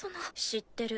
知ってる。